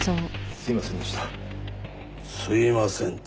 すいませんって。